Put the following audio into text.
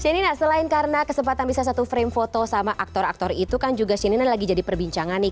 si nina selain karena kesempatan bisa satu frame foto sama aktor aktor itu kan juga sina lagi jadi perbincangan nih